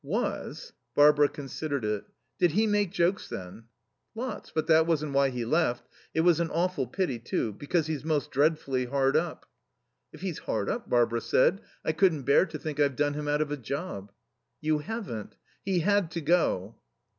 "Was." Barbara considered it. "Did he make jokes, then?" "Lots. But that wasn't why he left.... It was an awful pity, too; because he's most dreadfully hard up." "If he's hard up," Barbara said, "I couldn't bear to think I've done him out of a job." "You haven't. He had to go."